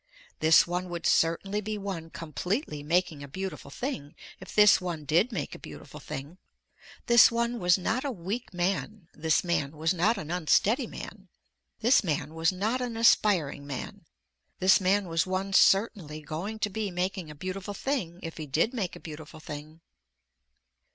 This one would certainly be one completely making a beautiful thing if this one did make a beautiful thing. This one was not a weak man, this man was not an unsteady man, this man was not an aspiring man, this man was one certainly going to be making a beautiful thing if he did make a beautiful thing.